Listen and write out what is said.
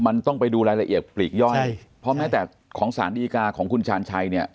มันต้องไปดูรายละเอียดปลีกย่อยเพราะแม้แต่ของสารดีกาของคุณชาญชัยเนี่ย